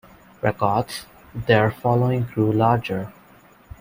Records, their following grew larger.